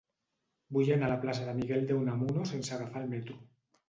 Vull anar a la plaça de Miguel de Unamuno sense agafar el metro.